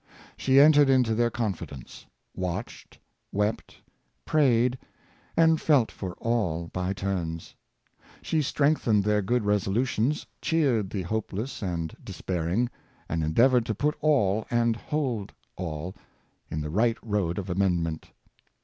She entered into their confi dence— watched, wept, prayed, and felt for all by turns. She strengthened their good resolutions, cheered the hopeless and despairing, and endeavored to put all, and hold all, in the right road of amendment.